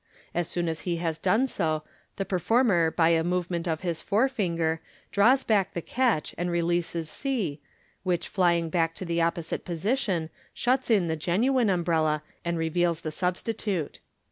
As soon as he has done so, the performer by a movement of his fore finger draws back the catch, and releases c, which flying back to the opposite position, shuts in the genuine umbrella, and reveals the sub stitute.